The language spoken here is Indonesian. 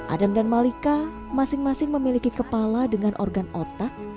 adam dan malika masing masing memiliki kepala dengan organ otak